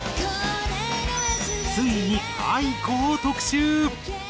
ついにａｉｋｏを特集。